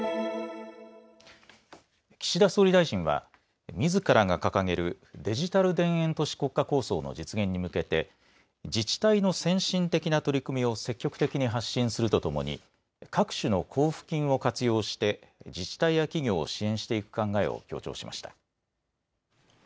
岸田総理大臣はみずからが掲げるデジタル田園都市国家構想の実現に向けて自治体の先進的な取り組みを積極的に発信するとともに各種の交付金を活用して自治体や企業を支援していく考えを強調しました。